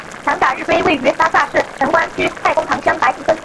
强嘎日追位于拉萨市城关区蔡公堂乡白定村。